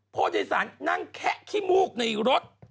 ผู้โดยสารนั่งแคะขี้มูกในรถ